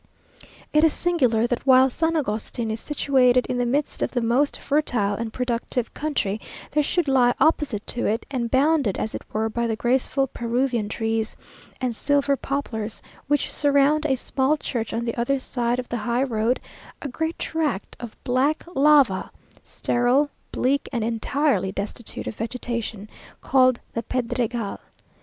It is singular, that while San Agustin is situated in the midst of the most fertile and productive country, there should lie opposite to it, and bounded as it were by the graceful Peruvian trees and silver poplars which surround a small church on the other side of the high road, a great tract of black lava, steril, bleak, and entirely destitute of vegetation, called the Pedregal.